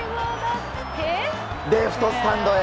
レフトスタンドへ。